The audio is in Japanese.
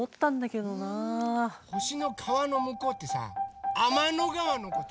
ほしのかわのむこうってさあまのがわのこと？